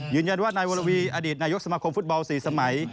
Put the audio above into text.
ยืนยันว่านายวรวีอดีตนายกสมาคมฟุตบอล๔สมัย